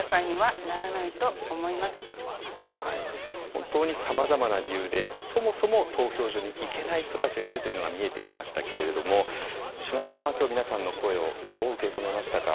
本当にさまざまな理由でそもそも投票所に行けない人たちがいるというのが見えてきましたけれども志磨村さんはきょう皆さんの声をどう受け止めましたか？